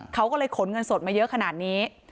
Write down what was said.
เขาก็เลยขนเงินสดมาเยอะขนาดนี้